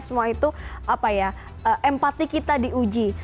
semua itu empati kita diuji